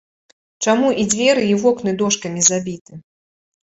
Чаму і дзверы і вокны дошкамі забіты?